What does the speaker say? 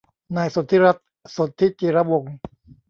นายสนธิรัตน์ สนธิจิรวงศ์